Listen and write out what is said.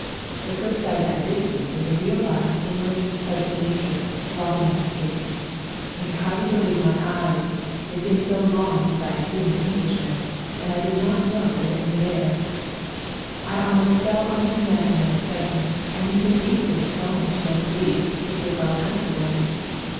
The first sight I did see was a real live English sergeant major walking down the street. I could hardly believe my eyes, it seemed so long since I had seen an Englishman, and I did not know there were any there. I almost SERBIAN CHRISTMAS DAY 173 fell on his neck in my excitement, and he seemed equally astonished and pleased to see a fellow countrywoman.